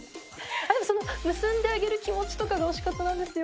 でもその、結んであげる気持ちとかが推し活なんですよ。